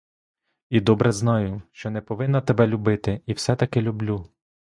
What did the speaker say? І добре знаю, що не повинна тебе любити, і все-таки люблю.